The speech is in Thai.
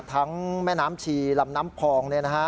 แม่น้ำชีลำน้ำพอง